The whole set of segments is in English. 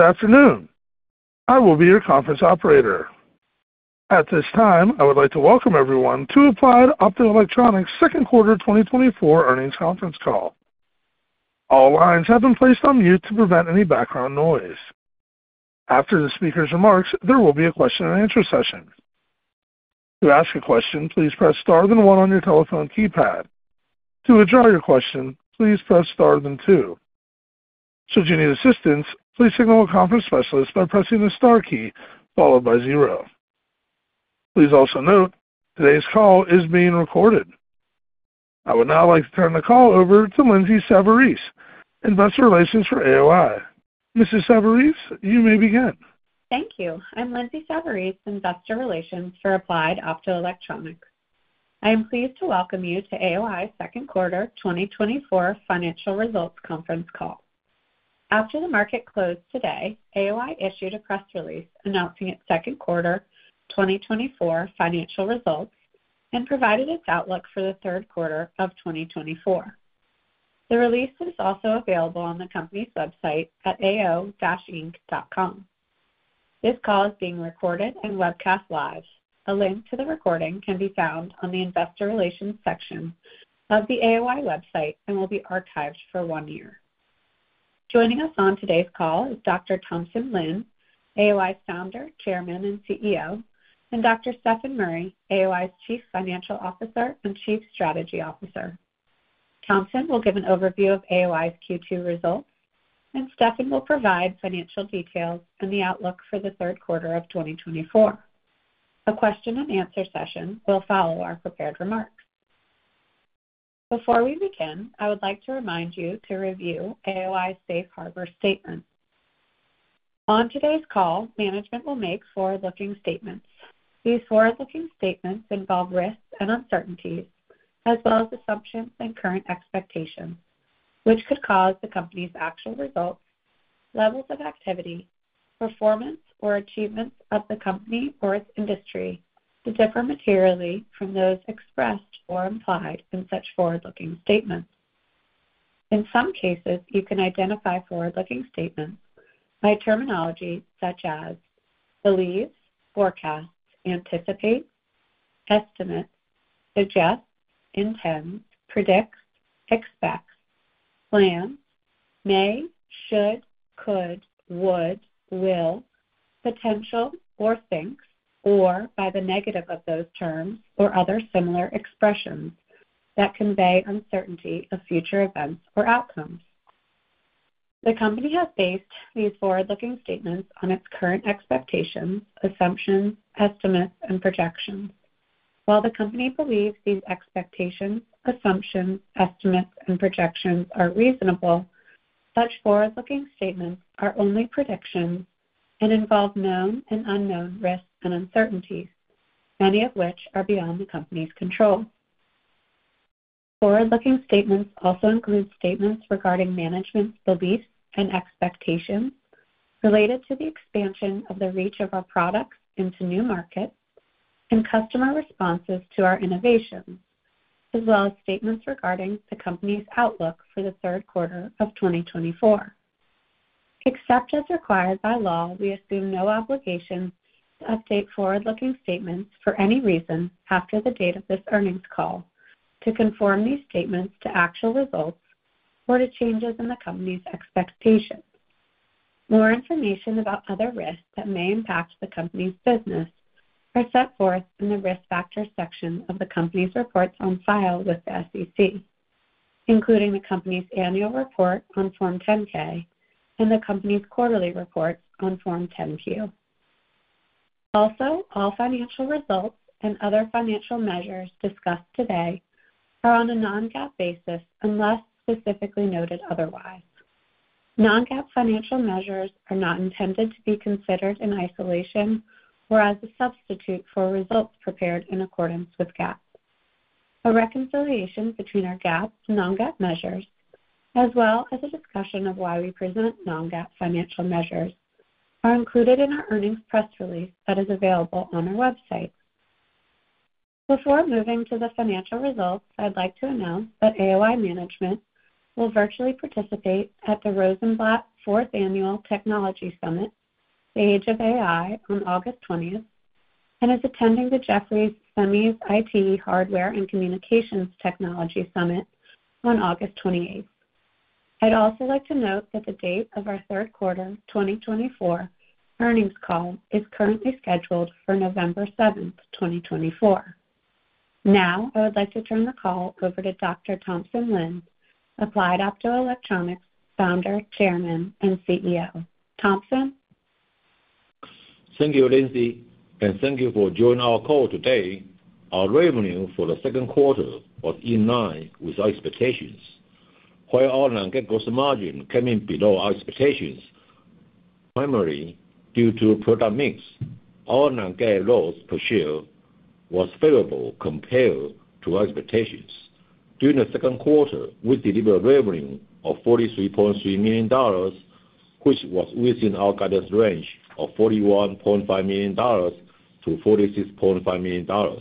Good afternoon. I will be your conference operator. At this time, I would like to welcome everyone to Applied Optoelectronics second quarter 2024 earnings conference call. All lines have been placed on mute to prevent any background noise. After the speaker's remarks, there will be a question-and-answer session. To ask a question, please press star then one on your telephone keypad. To withdraw your question, please press star then two. Should you need assistance, please signal a conference specialist by pressing the star key followed by zero. Please also note, today's call is being recorded. I would now like to turn the call over to Lindsay Savarese, Investor Relations for AOI. Mrs. Savarese, you may begin. Thank you. I'm Lindsay Savarese, Investor Relations for Applied Optoelectronics. I am pleased to welcome you to AOI's second quarter 2024 financial results conference call. After the market closed today, AOI issued a press release announcing its second quarter 2024 financial results and provided its outlook for the third quarter of 2024. The release is also available on the company's website at ao-inc.com. This call is being recorded and webcast live. A link to the recording can be found on the investor relations section of the AOI website and will be archived for one year. Joining us on today's call is Dr. Thompson Lin, AOI's Founder, Chairman, and CEO, and Dr. Stefan Murry, AOI's Chief Financial Officer and Chief Strategy Officer. Thompson will give an overview of AOI's Q2 results, and Stefan will provide financial details and the outlook for the third quarter of 2024. A question-and-answer session will follow our prepared remarks. Before we begin, I would like to remind you to review AOI's Safe Harbor statement. On today's call, management will make forward-looking statements. These forward-looking statements involve risks and uncertainties, as well as assumptions and current expectations, which could cause the company's actual results, levels of activity, performance, or achievements of the company or its industry to differ materially from those expressed or implied in such forward-looking statements. In some cases, you can identify forward-looking statements by terminology such as believes, forecast, anticipate, estimate, suggest, intend, predict, expect, plan, may, should, could, would, will, potential, or think, or by the negative of those terms or other similar expressions that convey uncertainty of future events or outcomes. The company has based these forward-looking statements on its current expectations, assumptions, estimates, and projections. While the company believes these expectations, assumptions, estimates, and projections are reasonable, such forward-looking statements are only predictions and involve known and unknown risks and uncertainties, many of which are beyond the company's control. Forward-looking statements also include statements regarding management's beliefs and expectations related to the expansion of the reach of our products into new markets and customer responses to our innovations, as well as statements regarding the company's outlook for the third quarter of 2024. Except as required by law, we assume no obligation to update forward-looking statements for any reason after the date of this earnings call to conform these statements to actual results or to changes in the company's expectations. More information about other risks that may impact the company's business are set forth in the Risk Factors section of the company's reports on file with the SEC, including the company's annual report on Form 10-K and the company's quarterly reports on Form 10-Q. Also, all financial results and other financial measures discussed today are on a non-GAAP basis, unless specifically noted otherwise. Non-GAAP financial measures are not intended to be considered in isolation or as a substitute for results prepared in accordance with GAAP. A reconciliation between our GAAP to non-GAAP measures, as well as a discussion of why we present non-GAAP financial measures, are included in our earnings press release that is available on our website. Before moving to the financial results, I'd like to announce that AOI management will virtually participate at the Rosenblatt Fourth Annual Technology Summit, The Age of AI, on August 20, and is attending the Jefferies Semiconductor, IT Hardware and Communications Technology Summit on August 28. I'd also like to note that the date of our third quarter 2024 earnings call is currently scheduled for November 7, 2024. Now, I would like to turn the call over to Dr. Thompson Lin, Applied Optoelectronics founder, chairman, and CEO. Thompson? Thank you, Lindsay, and thank you for joining our call today. Our revenue for the second quarter was in line with our expectations, where our non-GAAP gross margin came in below our expectations, primarily due to product mix. Our non-GAAP loss per share was favorable compared to our expectations. During the second quarter, we delivered revenue of $43.3 million, which was within our guidance range of $41.5 million-$46.5 million.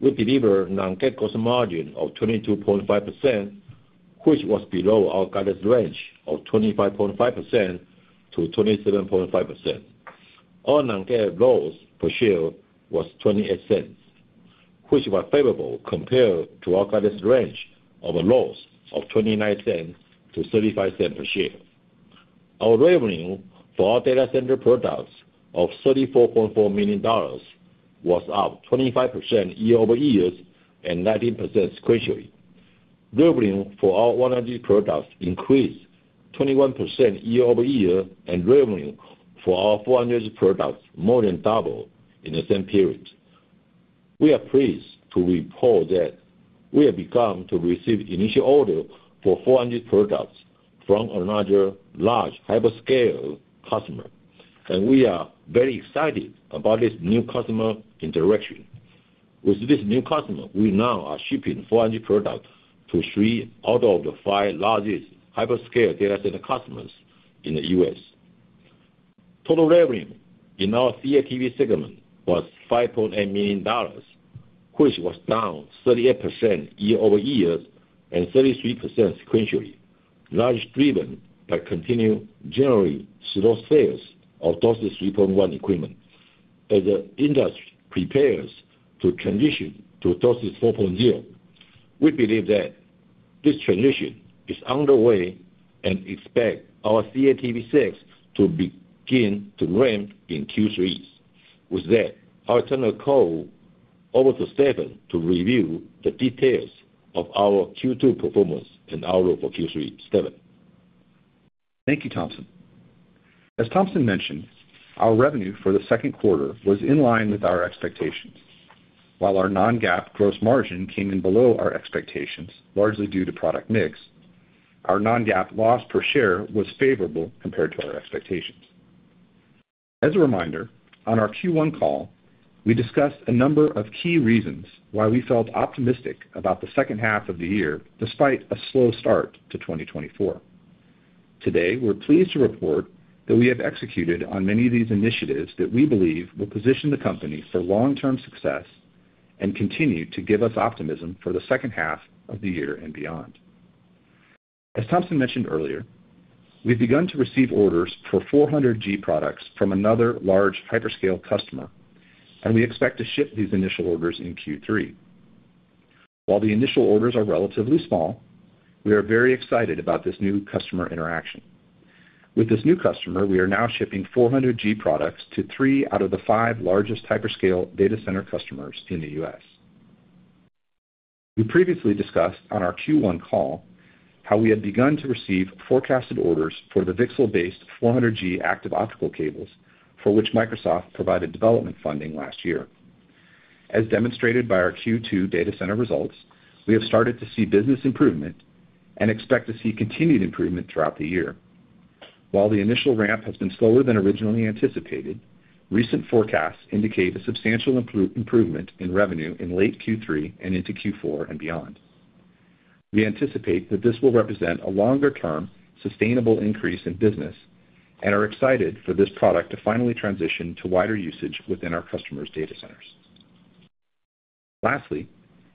We delivered non-GAAP gross margin of 22.5%, which was below our guidance range of 25.5%-27.5%. Our non-GAAP loss per share was $0.28, which were favorable compared to our guidance range of a loss of $0.29-$0.35 per share. Our revenue for our data center products of $34.4 million was up 25% year-over-year and 19% sequentially. Revenue for our 100G products increased 21% year-over-year, and revenue for our 400G products more than doubled in the same period. We are pleased to report that we have begun to receive initial order for 400G products from another large hyperscale customer, and we are very excited about this new customer interaction. With this new customer, we now are shipping 400G products to three out of the five largest hyperscale data center customers in the U.S. Total revenue in our CATV segment was $5.8 million, which was down 38% year-over-year and 33% sequentially, largely driven by continued generally slow sales of DOCSIS 3.1 equipment. As the industry prepares to transition to DOCSIS 4.0, we believe that this transition is underway and expect our CATV sales to begin to ramp in Q3. With that, I'll turn the call over to Stefan to review the details of our Q2 performance and outlook for Q3. Stefan? Thank you, Thompson. As Thompson mentioned, our revenue for the second quarter was in line with our expectations. While our non-GAAP gross margin came in below our expectations, largely due to product mix, our non-GAAP loss per share was favorable compared to our expectations. As a reminder, on our Q1 call, we discussed a number of key reasons why we felt optimistic about the second half of the year, despite a slow start to 2024. Today, we're pleased to report that we have executed on many of these initiatives that we believe will position the company for long-term success and continue to give us optimism for the second half of the year and beyond. As Thompson mentioned earlier, we've begun to receive orders for 400G products from another large hyperscale customer, and we expect to ship these initial orders in Q3. While the initial orders are relatively small, we are very excited about this new customer interaction. With this new customer, we are now shipping 400G products to 3 out of the 5 largest hyperscale data center customers in the U.S. We previously discussed on our Q1 call how we had begun to receive forecasted orders for the VCSEL-based 400G active optical cables, for which Microsoft provided development funding last year. As demonstrated by our Q2 data center results, we have started to see business improvement and expect to see continued improvement throughout the year. While the initial ramp has been slower than originally anticipated, recent forecasts indicate a substantial improvement in revenue in late Q3 and into Q4 and beyond. We anticipate that this will represent a longer-term, sustainable increase in business and are excited for this product to finally transition to wider usage within our customers' data centers. Lastly,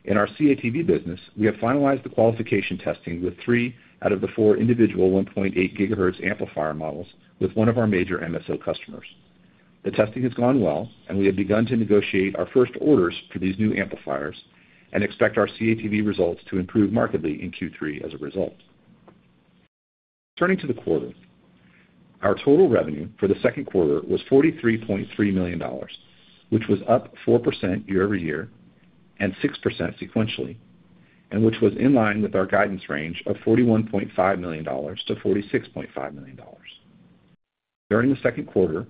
in our CATV business, we have finalized the qualification testing with three out of the four individual 1.8 GHz amplifier models with one of our major MSO customers. The testing has gone well, and we have begun to negotiate our first orders for these new amplifiers and expect our CATV results to improve markedly in Q3 as a result. Turning to the quarter, our total revenue for the second quarter was $43.3 million, which was up 4% year-over-year and 6% sequentially, and which was in line with our guidance range of $41.5 million-$46.5 million. During the second quarter,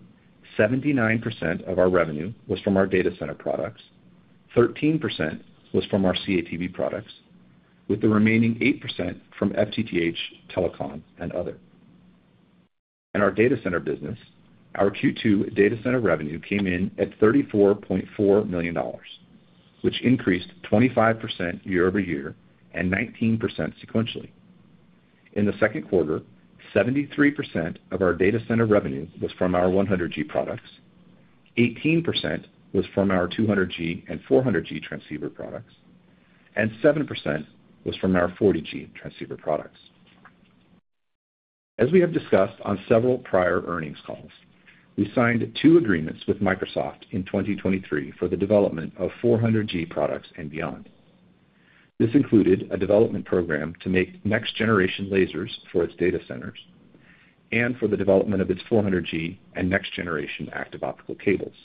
79% of our revenue was from our data center products, 13% was from our CATV products, with the remaining 8% from FTTH, telecom, and other. In our data center business, our Q2 data center revenue came in at $34.4 million, which increased 25% year over year and 19% sequentially. In the second quarter, 73% of our data center revenue was from our 100G products, 18% was from our 200G and 400G transceiver products, and 7% was from our 40G transceiver products. As we have discussed on several prior earnings calls, we signed two agreements with Microsoft in 2023 for the development of 400G products and beyond. This included a development program to make next-generation lasers for its data centers and for the development of its 400G and next-generation active optical cables.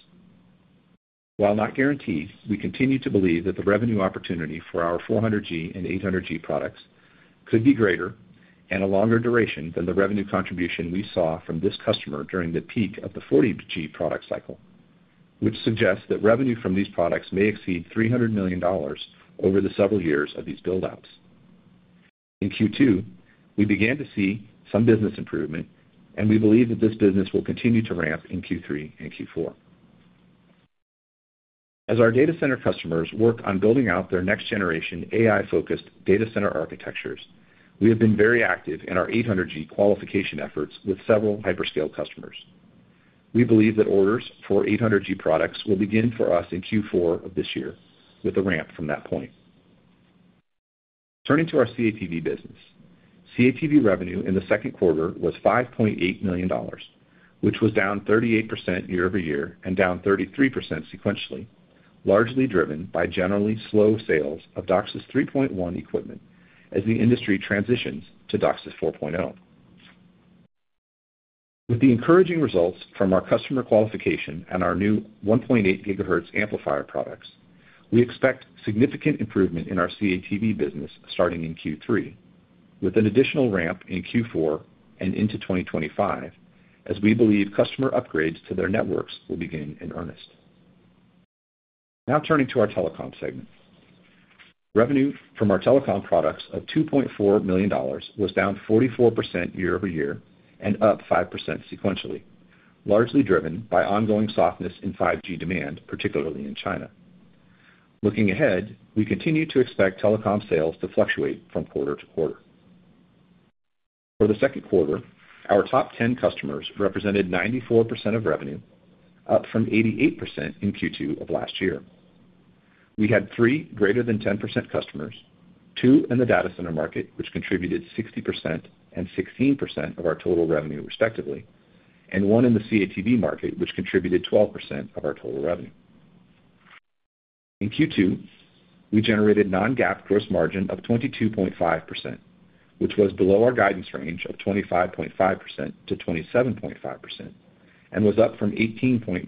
While not guaranteed, we continue to believe that the revenue opportunity for our 400G and 800G products could be greater and a longer duration than the revenue contribution we saw from this customer during the peak of the 40G product cycle, which suggests that revenue from these products may exceed $300 million over the several years of these build-outs. In Q2, we began to see some business improvement, and we believe that this business will continue to ramp in Q3 and Q4. As our data center customers work on building out their next-generation AI-focused data center architectures, we have been very active in our 800G qualification efforts with several hyperscale customers.... We believe that orders for 800G products will begin for us in Q4 of this year, with a ramp from that point. Turning to our CATV business. CATV revenue in the second quarter was $5.8 million, which was down 38% year-over-year and down 33% sequentially, largely driven by generally slow sales of DOCSIS 3.1 equipment as the industry transitions to DOCSIS 4.0. With the encouraging results from our customer qualification and our new 1.8 GHz amplifier products, we expect significant improvement in our CATV business starting in Q3, with an additional ramp in Q4 and into 2025, as we believe customer upgrades to their networks will begin in earnest. Now turning to our telecom segment. Revenue from our telecom products of $2.4 million was down 44% year-over-year and up 5% sequentially, largely driven by ongoing softness in 5G demand, particularly in China. Looking ahead, we continue to expect telecom sales to fluctuate from quarter to quarter. For the second quarter, our top ten customers represented 94% of revenue, up from 88% in Q2 of last year. We had three greater than 10% customers, two in the data center market, which contributed 60% and 16% of our total revenue, respectively, and one in the CATV market, which contributed 12% of our total revenue. In Q2, we generated Non-GAAP gross margin of 22.5%, which was below our guidance range of 25.5%-27.5%, and was up from 18.9%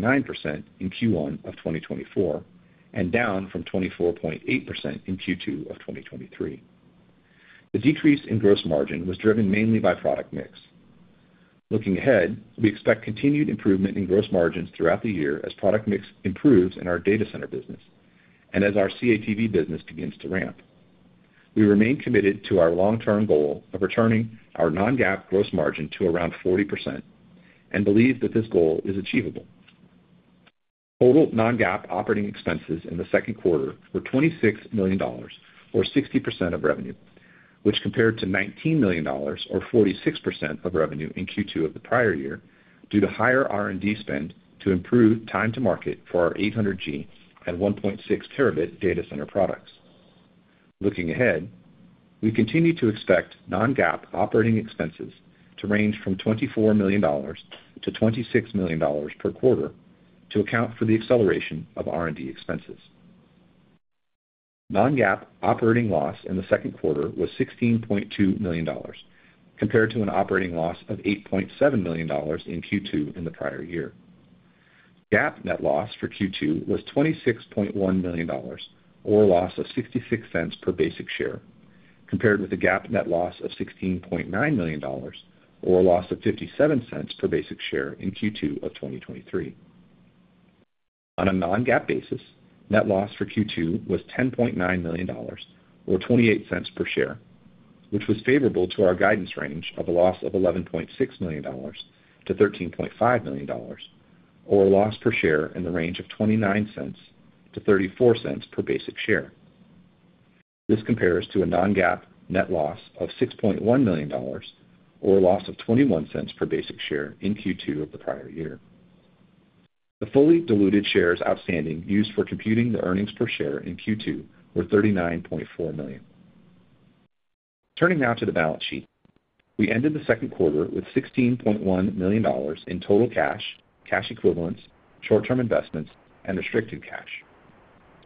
in Q1 of 2024, and down from 24.8% in Q2 of 2023. The decrease in gross margin was driven mainly by product mix. Looking ahead, we expect continued improvement in gross margins throughout the year as product mix improves in our data center business and as our CATV business begins to ramp. We remain committed to our long-term goal of returning our Non-GAAP gross margin to around 40% and believe that this goal is achievable. Total Non-GAAP operating expenses in the second quarter were $26 million, or 60% of revenue, which compared to $19 million, or 46% of revenue in Q2 of the prior year, due to higher R&D spend to improve time to market for our 800G and 1.6 terabit data center products. Looking ahead, we continue to expect Non-GAAP operating expenses to range from $24 million-$26 million per quarter to account for the acceleration of R&D expenses. Non-GAAP operating loss in the second quarter was $16.2 million, compared to an operating loss of $8.7 million in Q2 in the prior year. GAAP net loss for Q2 was $26.1 million, or a loss of $0.66 per basic share, compared with a GAAP net loss of $16.9 million, or a loss of $0.57 per basic share in Q2 of 2023. On a non-GAAP basis, net loss for Q2 was $10.9 million, or $0.28 per share, which was favorable to our guidance range of a loss of $11.6 million-$13.5 million, or a loss per share in the range of $0.29-$0.34 per basic share. This compares to a non-GAAP net loss of $6.1 million, or a loss of $0.21 per basic share in Q2 of the prior year. The fully diluted shares outstanding used for computing the earnings per share in Q2 were 39.4 million. Turning now to the balance sheet. We ended the second quarter with $16.1 million in total cash, cash equivalents, short-term investments, and restricted cash.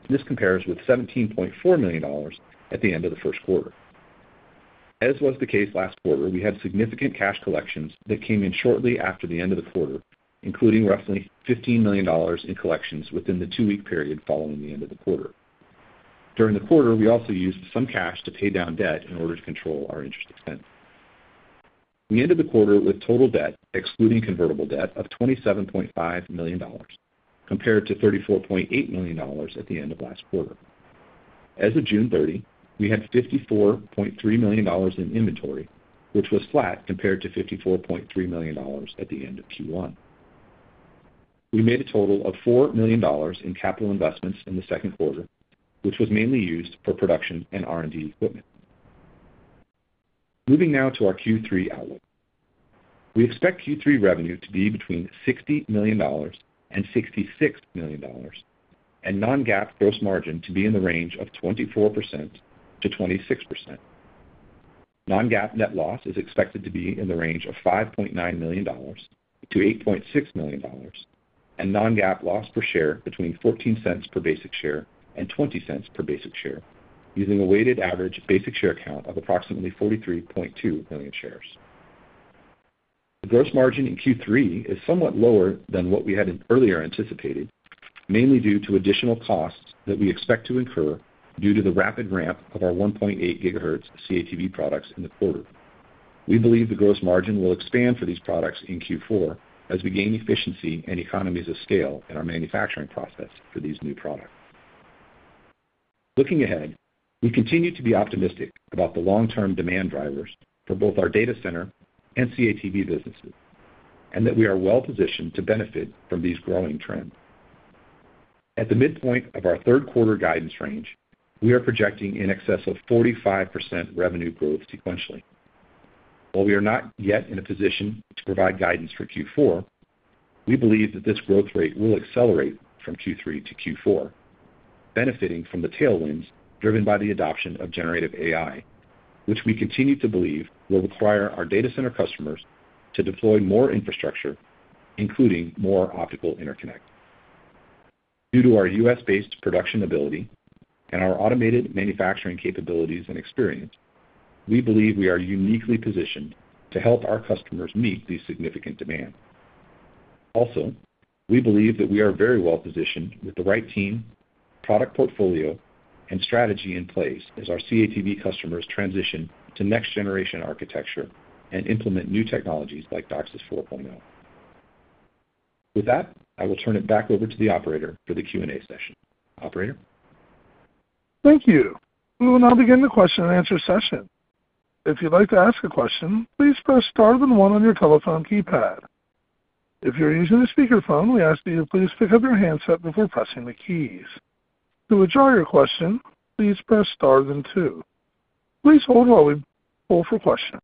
This compares with $17.4 million at the end of the first quarter. As was the case last quarter, we had significant cash collections that came in shortly after the end of the quarter, including roughly $15 million in collections within the 2-week period following the end of the quarter. During the quarter, we also used some cash to pay down debt in order to control our interest expense. We ended the quarter with total debt, excluding convertible debt, of $27.5 million, compared to $34.8 million at the end of last quarter. As of June 30, we had $54.3 million in inventory, which was flat compared to $54.3 million at the end of Q1. We made a total of $4 million in capital investments in the second quarter, which was mainly used for production and R&D equipment. Moving now to our Q3 outlook. We expect Q3 revenue to be between $60 million and $66 million, and non-GAAP gross margin to be in the range of 24%-26%. Non-GAAP net loss is expected to be in the range of $5.9 million-$8.6 million, and non-GAAP loss per share between $0.14 per basic share and $0.20 per basic share, using a weighted average basic share count of approximately 43.2 million shares. The gross margin in Q3 is somewhat lower than what we had earlier anticipated, mainly due to additional costs that we expect to incur due to the rapid ramp of our 1.8 gigahertz CATV products in the quarter. We believe the gross margin will expand for these products in Q4 as we gain efficiency and economies of scale in our manufacturing process for these new products. Looking ahead, we continue to be optimistic about the long-term demand drivers for both our data center and CATV businesses, and that we are well-positioned to benefit from these growing trends. At the midpoint of our third quarter guidance range, we are projecting in excess of 45% revenue growth sequentially. While we are not yet in a position to provide guidance for Q4, we believe that this growth rate will accelerate from Q3 to Q4, benefiting from the tailwinds driven by the adoption of generative AI, which we continue to believe will require our data center customers to deploy more infrastructure, including more optical interconnect. Due to our U.S.-based production ability and our automated manufacturing capabilities and experience, we believe we are uniquely positioned to help our customers meet these significant demand. Also, we believe that we are very well positioned with the right team, product portfolio, and strategy in place as our CATV customers transition to next generation architecture and implement new technologies like DOCSIS 4.0. With that, I will turn it back over to the operator for the Q&A session. Operator? Thank you. We will now begin the question and answer session. If you'd like to ask a question, please press star then one on your telephone keypad. If you're using a speakerphone, we ask that you please pick up your handset before pressing the keys. To withdraw your question, please press star then two. Please hold while we pull for questions.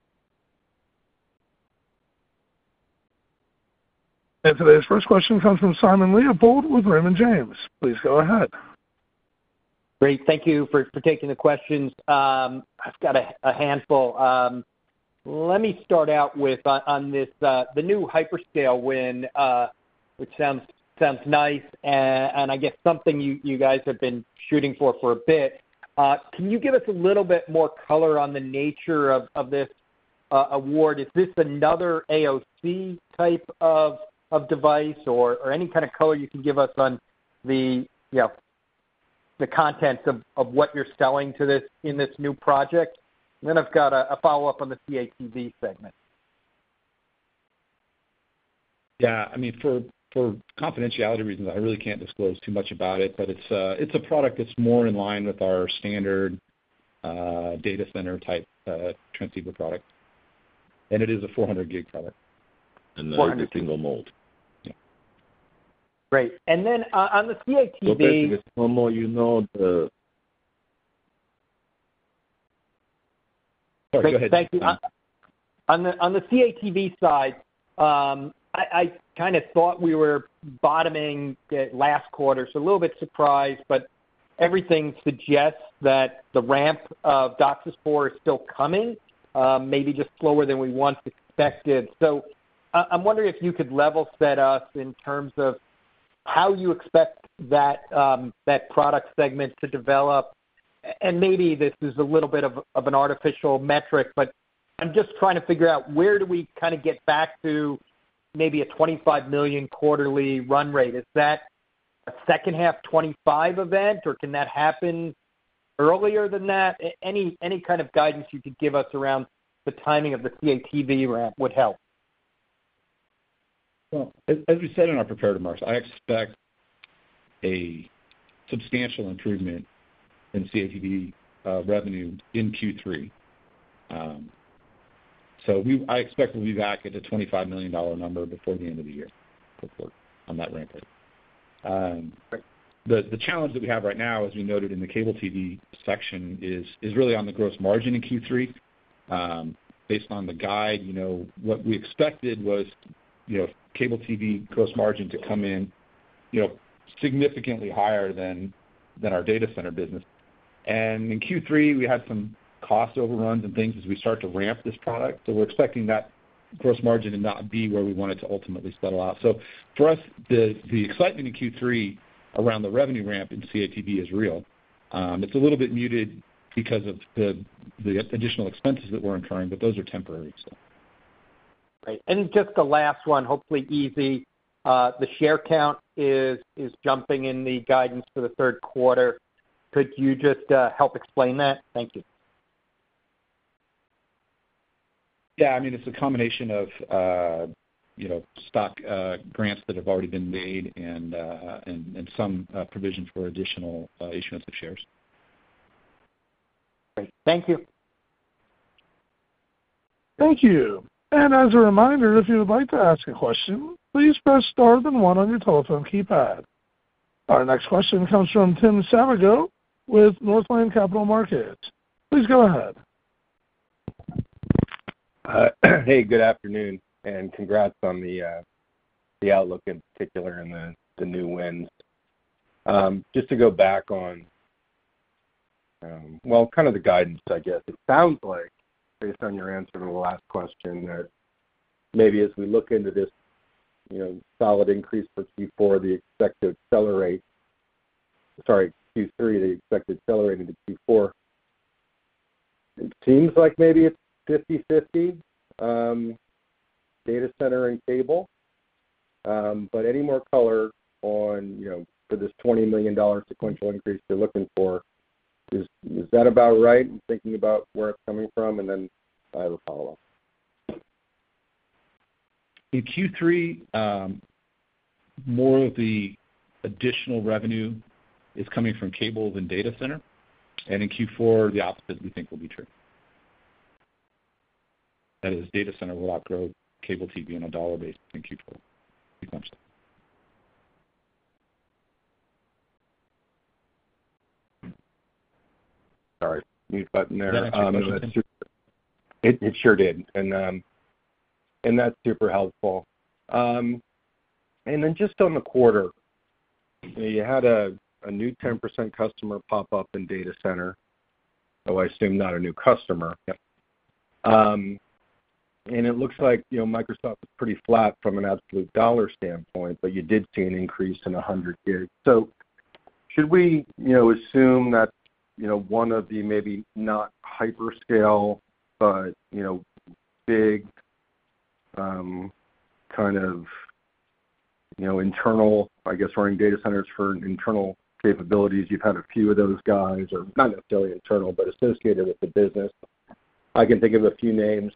Today's first question comes from Simon Leopold with Raymond James. Please go ahead. Great. Thank you for taking the questions. I've got a handful. Let me start out with on this the new hyperscale win, which sounds nice, and I guess something you guys have been shooting for a bit. Can you give us a little bit more color on the nature of this award? Is this another AOC type of device or any kind of color you can give us on the you know the contents of what you're selling to this in this new project? Then I've got a follow-up on the CATV segment. Yeah, I mean, for, for confidentiality reasons, I really can't disclose too much about it, but it's a, it's a product that's more in line with our standard, data center type, transceiver product. And it is a 400 gig product and a single-mode. Yeah. Great. And then, on the CATV- No more, you know, the- Sorry, go ahead. Thank you. On the CATV side, I kind of thought we were bottoming it last quarter, so a little bit surprised, but everything suggests that the ramp of DOCSIS 4 is still coming, maybe just slower than we once expected. So I'm wondering if you could level set us in terms of how you expect that product segment to develop. And maybe this is a little bit of an artificial metric, but I'm just trying to figure out where do we kind of get back to maybe a $25 million quarterly run rate? Is that a second half 2025 event, or can that happen earlier than that? Any kind of guidance you could give us around the timing of the CATV ramp would help. Well, as we said in our prepared remarks, I expect a substantial improvement in CATV revenue in Q3. So I expect we'll be back at the $25 million number before the end of the year, before on that ramp rate. The challenge that we have right now, as we noted in the cable TV section, is really on the gross margin in Q3. Based on the guide, you know, what we expected was, you know, cable TV gross margin to come in, you know, significantly higher than our data center business. And in Q3, we had some cost overruns and things as we start to ramp this product, so we're expecting that gross margin to not be where we want it to ultimately settle out. So for us, the excitement in Q3 around the revenue ramp in CATV is real. It's a little bit muted because of the additional expenses that we're incurring, but those are temporary, so. Great. And just the last one, hopefully easy. The share count is jumping in the guidance for the third quarter. Could you just help explain that? Thank you. Yeah, I mean, it's a combination of, you know, stock grants that have already been made and some provision for additional issuance of shares. Great. Thank you. Thank you. As a reminder, if you would like to ask a question, please press star then one on your telephone keypad. Our next question comes from Tim Savageaux with Northland Capital Markets. Please go ahead. Hey, good afternoon, and congrats on the outlook in particular and the new wins. Just to go back on, well, kind of the guidance, I guess. It sounds like, based on your answer to the last question, that maybe as we look into this, you know, solid increase for Q4, the expected accelerate... Sorry, Q3, the expected accelerated to Q4, it seems like maybe it's 50/50, data center and cable. But any more color on, you know, for this $20 million sequential increase you're looking for, is that about right in thinking about where it's coming from? And then I have a follow-up. In Q3, more of the additional revenue is coming from cable than data center, and in Q4, the opposite we think will be true. That is, data center will outgrow cable TV on a dollar basis in Q4. Sorry, mute button there. Did that actually make sense? It sure did. And that's super helpful. And then just on the quarter, you had a new 10% customer pop up in data center, though I assume not a new customer. Yep. And it looks like, you know, Microsoft is pretty flat from an absolute dollar standpoint, but you did see an increase in 100G. So should we, you know, assume that, you know, one of the maybe not hyperscale, but, you know, big, kind of, you know, internal, I guess, running data centers for internal capabilities, you've had a few of those guys, or not necessarily internal, but associated with the business. I can think of a few names,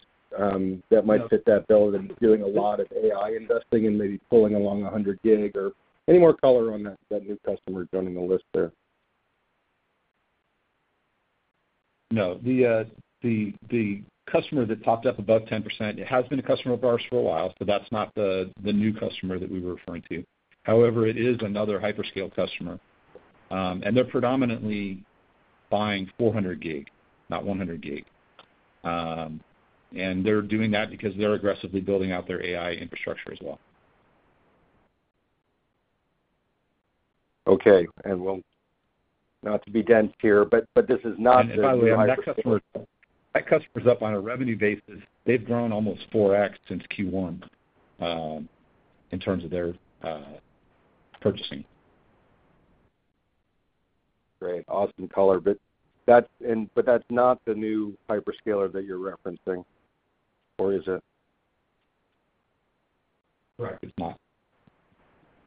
that might fit that bill and doing a lot of AI investing and maybe pulling along a 100G or any more color on that, that new customer joining the list there? No, the customer that popped up above 10%, it has been a customer of ours for a while, so that's not the new customer that we were referring to. However, it is another hyperscale customer, and they're predominantly buying 400 gig, not 100 gig. And they're doing that because they're aggressively building out their AI infrastructure as well. Okay. Well, not to be dense here, but, but this is not the hyperscaler- And by the way, that customer, that customer's up on a revenue basis, they've grown almost 4x since Q1, in terms of their purchasing. Great. Awesome color. But that's not the new hyperscaler that you're referencing, or is it? Correct. It's not.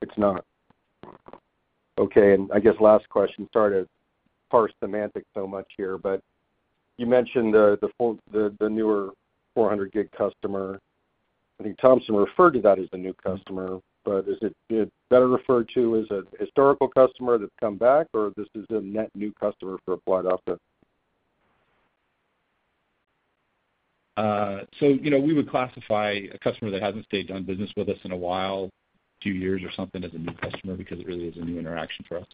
It's not. Okay, and I guess last question, sorry to parse semantics so much here, but you mentioned the newer 400G customer. I think Thompson referred to that as the new customer, but is it better referred to as a historical customer that's come back, or this is a net new customer for Applied Optoelectronics? You know, we would classify a customer that hasn't done business with us in a while, two years or something, as a new customer because it really is a new interaction for us.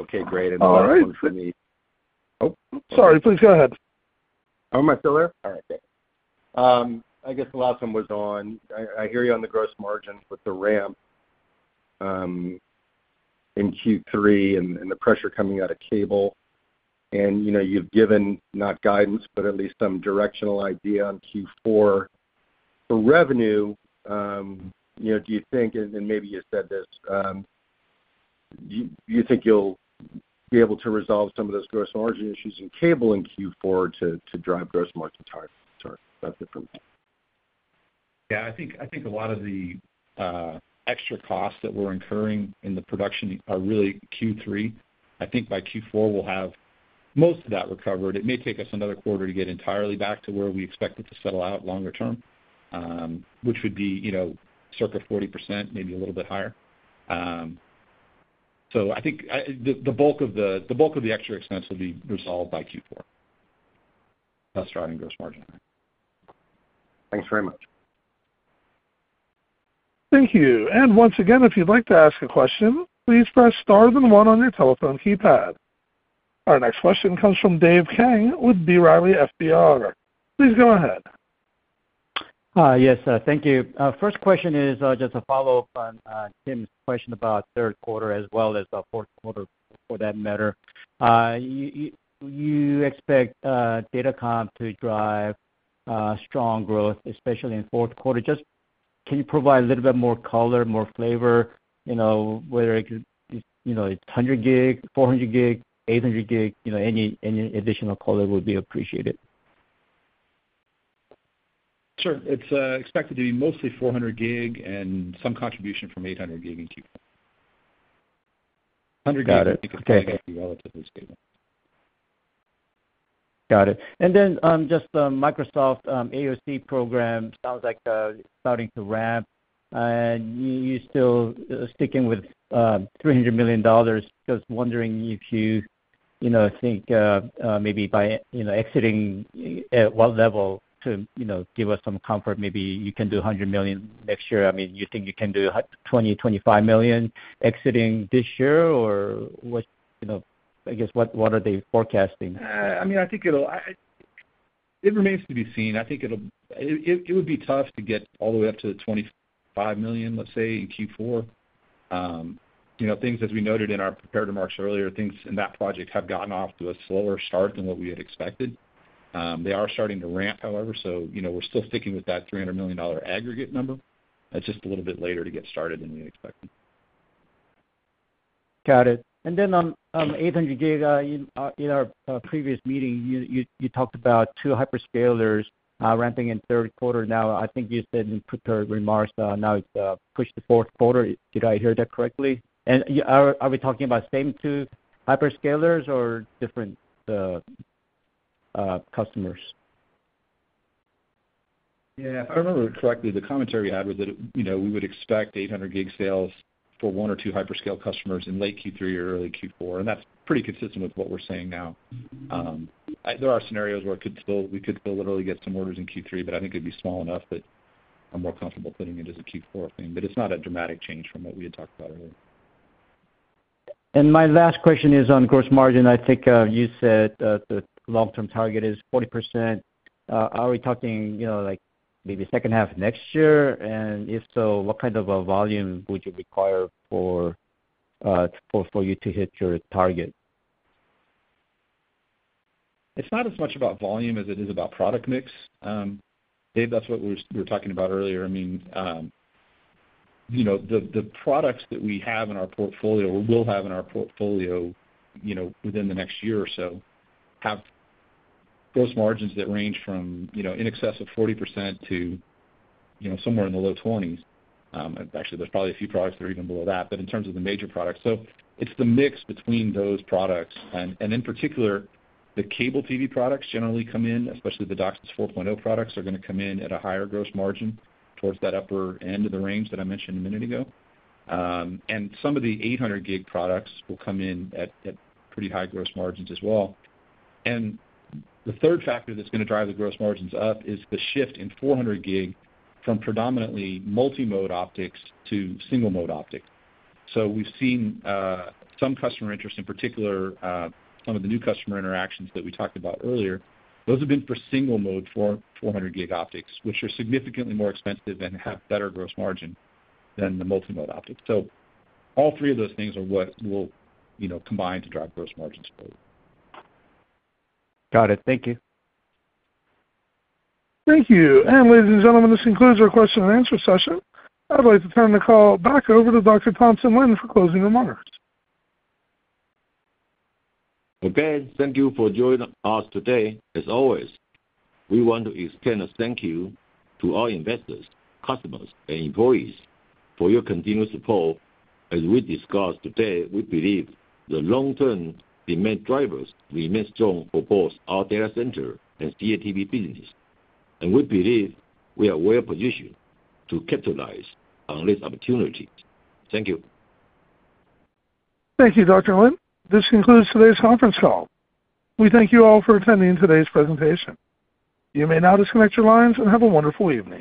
Okay, great. All right. And one for me. Oh, sorry, please go ahead. Am I still there? All right, thanks. I guess the last one was on... I hear you on the gross margins with the ramp in Q3 and the pressure coming out of cable. And, you know, you've given not guidance, but at least some directional idea on Q4 for revenue. You know, do you think, and maybe you said this, do you think you'll be able to resolve some of those gross margin issues in cable in Q4 to drive gross margin higher? Sorry, that's it from me. Yeah, I think, I think a lot of the extra costs that we're incurring in the production are really Q3. I think by Q4 we'll have most of that recovered. It may take us another quarter to get entirely back to where we expect it to settle out longer term, which would be, you know, circa 40%, maybe a little bit higher. So I think the bulk of the extra expense will be resolved by Q4. Thus, driving gross margin. Thanks very much. Thank you. Once again, if you'd like to ask a question, please press star and one on your telephone keypad. Our next question comes from Dave Kang with B. Riley, FBR. Please go ahead. Yes, thank you. First question is just a follow-up on Tim's question about third quarter as well as the fourth quarter, for that matter. You expect Datacom to drive strong growth, especially in fourth quarter. Just, can you provide a little bit more color, more flavor, you know, whether it, you know, it's 100 gig, 400 gig, 800 gig, you know, any additional color would be appreciated. Sure. It's expected to be mostly 400G and some contribution from 800G in Q4. Hundred gig- Got it. Okay. relativamente stable. Got it. And then, just on Microsoft, AOC program, sounds like it's starting to ramp. You still sticking with $300 million? Just wondering if you know think maybe by exiting at what level to give us some comfort, maybe you can do $100 million next year. I mean, you think you can do $20 million-$25 million exiting this year, or what, you know, I guess, what are they forecasting? I mean, I think it remains to be seen. I think it would be tough to get all the way up to the $25 million, let's say, in Q4. You know, things, as we noted in our prepared remarks earlier, things in that project have gotten off to a slower start than what we had expected. They are starting to ramp, however, so, you know, we're still sticking with that $300 million aggregate number. It's just a little bit later to get started than we expected. Got it. And then on 800 gig, in our previous meeting, you talked about two hyperscalers ramping in third quarter. Now, I think you said in prepared remarks, now it's pushed to fourth quarter. Did I hear that correctly? And are we talking about same two hyperscalers or different customers? Yeah, if I remember correctly, the commentary I had was that, you know, we would expect 800G sales for 1 or 2 hyperscale customers in late Q3 or early Q4, and that's pretty consistent with what we're saying now. There are scenarios where it could still, we could still literally get some orders in Q3, but I think it'd be small enough that I'm more comfortable putting it as a Q4 thing. But it's not a dramatic change from what we had talked about earlier. And my last question is on gross margin. I think, you said, the long-term target is 40%. Are we talking, you know, like maybe second half next year? And if so, what kind of a volume would you require for you to hit your target? It's not as much about volume as it is about product mix. Dave, that's what we were, we were talking about earlier. I mean, you know, the, the products that we have in our portfolio or will have in our portfolio, you know, within the next year or so, have gross margins that range from, you know, in excess of 40% to, you know, somewhere in the low 20s%. Actually, there's probably a few products that are even below that, but in terms of the major products. So it's the mix between those products. And, and in particular, the cable TV products generally come in, especially the DOCSIS 4.0 products, are gonna come in at a higher gross margin towards that upper end of the range that I mentioned a minute ago. And some of the 800G products will come in at, at pretty high gross margins as well. And the third factor that's gonna drive the gross margins up is the shift in 400G from predominantly multi-mode optics to single-mode optics. So we've seen some customer interest, in particular, some of the new customer interactions that we talked about earlier. Those have been for single-mode 400G optics, which are significantly more expensive and have better gross margin than the multi-mode optics. So all three of those things are what will, you know, combine to drive gross margins forward. Got it. Thank you. Thank you. Ladies and gentlemen, this concludes our question and answer session. I'd like to turn the call back over to Dr. Thompson Lin for closing remarks. Okay, thank you for joining us today. As always, we want to extend a thank you to all investors, customers, and employees for your continued support. As we discussed today, we believe the long-term demand drivers remain strong for both our data center and CATV business, and we believe we are well positioned to capitalize on this opportunity. Thank you. Thank you, Dr. Lin. This concludes today's conference call. We thank you all for attending today's presentation. You may now disconnect your lines and have a wonderful evening.